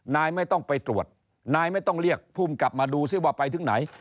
นายไม่ต้องไปตรวจนายไม่ต้องเรียกภูมิกลับมาดูซิว่าไปถึงไหน